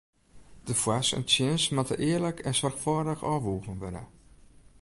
De foars en tsjins moatte earlik en soarchfâldich ôfwoegen wurde.